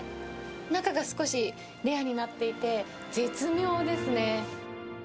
中が少しレアになっていて、絶妙ですね。